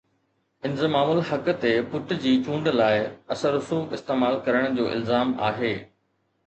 انضمام الحق تي پٽ جي چونڊ لاءِ اثر رسوخ استعمال ڪرڻ جو الزام آهي